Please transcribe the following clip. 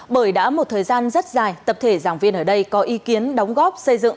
bởi đã một thời gian rất dài tập thể giảng viên ở đây có ý kiến đóng góp xây dựng